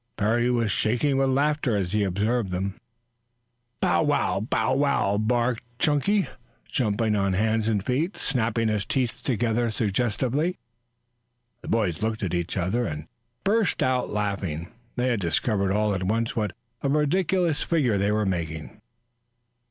Parry was shaking with laughter as he observed them. "Bow! Bow wow!" barked Chunky, jumping on hands and feet, snapping his teeth together suggestively. The boys looked at each other and burst out laughing. They had discovered all at once what a ridiculous figure they were making.